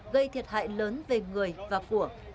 gây thiệt hại lớn về người và của